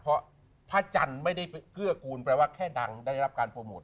เพราะพระจันทร์ไม่ได้เกื้อกูลแปลว่าแค่ดังได้รับการโปรโมท